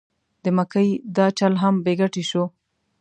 د مکۍ دا چل هم بې ګټې شو.